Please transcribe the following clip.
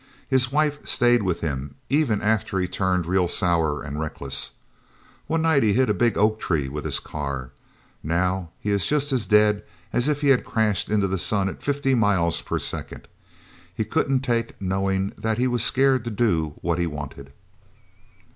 His wife stayed with him, even after he turned real sour and reckless. One night he hit a big oak tree with his car. Now, he is just as dead as if he had crashed into the sun at fifty miles per second. He couldn't take knowing that he was scared to do what he wanted."